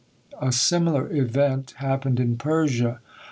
A similar event happened in Persia.